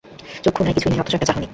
চক্ষু নাই, কিছুই নাই, অথচ একটা চাহনি।